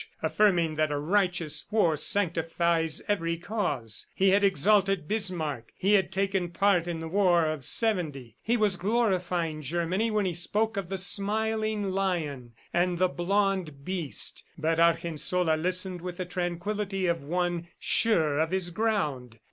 affirming that "a righteous war sanctifies every cause." He had exalted Bismarck; he had taken part in the war of '70; he was glorifying Germany when he spoke of "the smiling lion," and "the blond beast." But Argensola listened with the tranquillity of one sure of his ground.